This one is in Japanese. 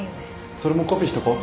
それもコピーしとこう。